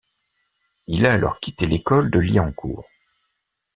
Il a alors quitté l'école de Liancourt.